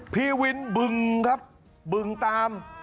พี่วินบึงครับบึงตาม